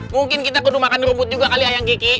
mungkin kita kudu makan rumput juga kali ayang kiki